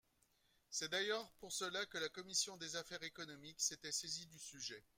C’est d’ailleurs pour cela que la commission des affaires économiques s’était saisie du sujet.